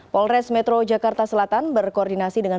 polres metro jakarta selatan berkontrol